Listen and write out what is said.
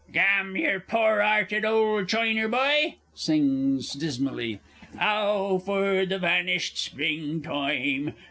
Ga arn, yer pore 'arted ole choiner boy! (sings dismally), "Ow! for the vanished Spring toime!